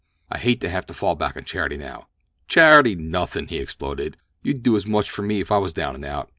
I hate to have to fall back on charity now." "Charity nothin'!" he exploded. "You'd do as much for me if I was down and out.